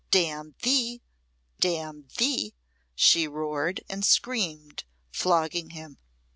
"Damn thee! damn thee!" she roared and screamed, flogging him.